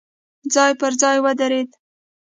ځای په ځای ودرېد.